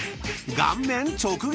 ［顔面直撃！］